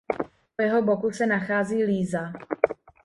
Po jeho boku se nachází Líza.